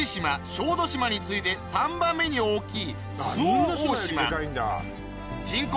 小豆島に次いで３番目に大きい周防大島人口